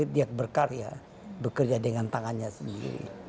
dia berkarya bekerja dengan tangannya sendiri